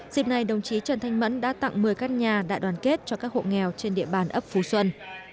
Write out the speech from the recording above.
dịp này đồng chí trần thanh mẫn đã tặng một mươi các nhà đại đoàn kết cho các hộ nghèo trên địa bàn ấp phú xuân